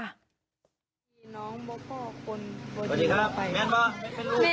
สวัสดีครับแม่ล่ะ